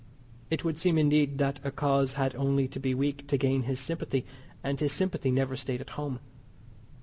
It would seem indeed that a cause had only to be weak to gain his sympathy, and his sympathy never stayed at home.